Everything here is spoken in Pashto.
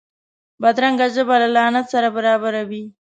بدرنګه ژبه له لعنت سره برابره وي